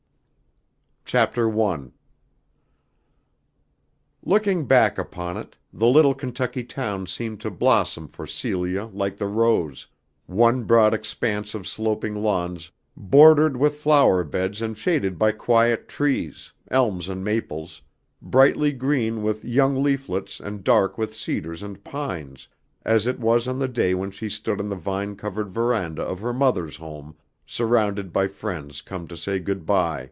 The Way of the Wind CHAPTER I. Looking back upon it, the little Kentucky town seemed to blossom for Celia like the rose, one broad expanse of sloping lawns bordered with flower beds and shaded by quiet trees, elms and maples, brightly green with young leaflets and dark with cedars and pines, as it was on the day when she stood on the vine covered veranda of her mother's home, surrounded by friends come to say good by.